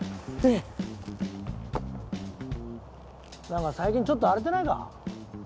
なんか最近ちょっと荒れてないか？